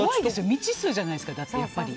未知数じゃないですか、やっぱり。